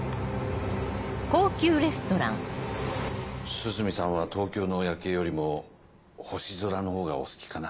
涼見さんは東京の夜景よりも星空のほうがお好きかな？